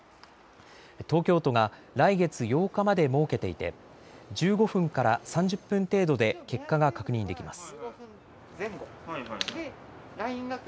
東京都が来月８日まで設けていて１５分からから３０分程度で結果が確認できます。